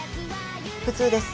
普通です。